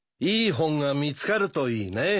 いい本が見つかるといいね。